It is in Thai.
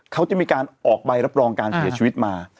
เขาจะมีการออกใบรับรองการเสียชีวิตมา